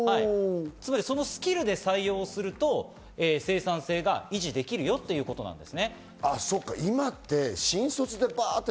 スキルで採用すると生産性を維持できるよということなんです。